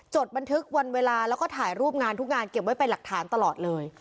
บันทึกวันเวลาแล้วก็ถ่ายรูปงานทุกงานเก็บไว้เป็นหลักฐานตลอดเลย